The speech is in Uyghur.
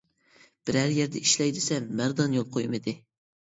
بىرەر يەردە ئىشلەي دېسەم مەردان يول قويمىدى.